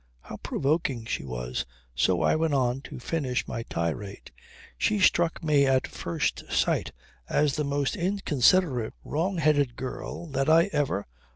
How provoking she was! So I went on to finish my tirade. "She struck me at first sight as the most inconsiderate wrong headed girl that I ever